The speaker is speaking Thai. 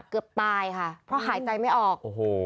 เกือบตายค่ะเพราะหายใจไม่ออก